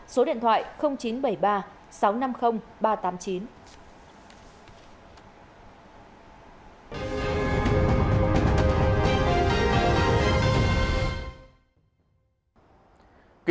số điện thoại chín trăm bảy mươi ba sáu trăm năm mươi ba trăm tám mươi chín